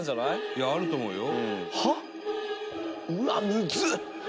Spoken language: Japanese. いやあると思うよ。